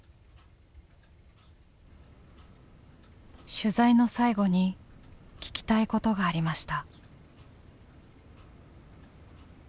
取材の最後に聞きたいことがありました。